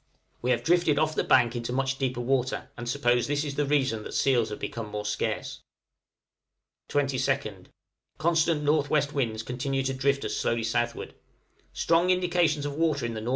We have drifted off the bank into much deeper water, and suppose this is the reason that seals have become more scarce. 22nd. Constant N.W. winds continue to drift us slowly southward. Strong indications of water in the N.W.